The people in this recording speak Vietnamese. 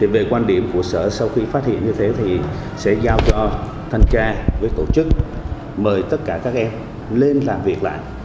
về quan điểm của sở sau khi phát hiện như thế thì sẽ giao cho thanh tra với tổ chức mời tất cả các em lên làm việc lại